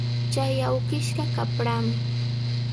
Chay awkishqa qaprami.